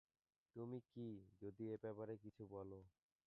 তুমি কি, যদি এই ব্যাপারে কিছু বলো?